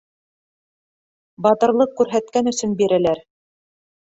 Батырлыҡ күрһәткән өсөн бирәләр.